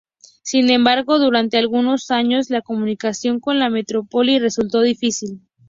Sin embargo, durante algunos años la comunicación con la metrópoli resultó difícil.